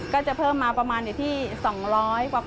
ก็จะเพิ่มมาประมาณอยู่ที่๒๐๐กว่าคน